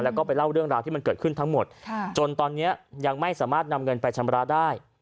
แล้วก็ไปเล่าเรื่องราวที่มันเกิดขึ้นทั้งหมดจนตอนนี้ยังไม่สามารถนำเงินไปชำระได้